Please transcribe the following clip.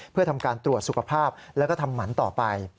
เพื่อทำการตรวจสุขภาพแล้วก็ทำหมันต่อไป